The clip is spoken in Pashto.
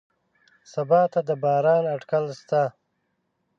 سبا ته د باران اټکل شته